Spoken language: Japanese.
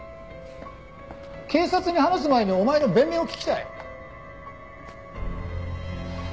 警察に話す前にお前の弁明を聞きたい。